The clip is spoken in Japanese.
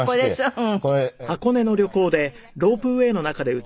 うん。